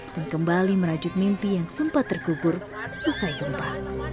kembali merajut mimpi yang sempat terkubur usai gempa